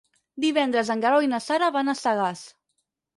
Divendres en Guerau i na Sara van a Sagàs.